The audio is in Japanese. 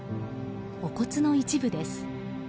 お骨の一部です。